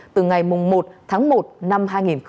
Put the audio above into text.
từ ngày một tháng một năm hai nghìn hai mươi